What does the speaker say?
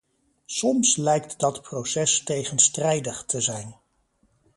Soms lijkt dat proces tegenstrijdig te zijn.